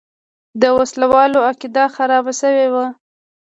د وسله والو عقیده خرابه شوې وه.